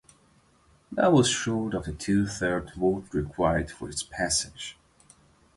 That was short of the two-thirds vote required for its passage.